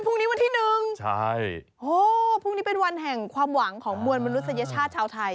เพราะว่าพรุ่งนี้เป็นวันแห่งความหวังของมวลมนุษยชาติชาวไทย